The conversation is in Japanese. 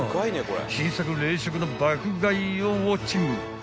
新作冷食の爆買いをウオッチング］